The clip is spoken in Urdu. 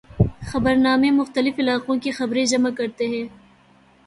خبرنامے مختلف علاقوں کی خبریں جمع کرتے ہیں۔